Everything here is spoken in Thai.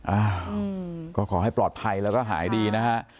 อ้าวก็ขอให้ปลอดภัยแล้วก็หายดีนะฮะ